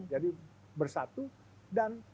jadi bersatu dan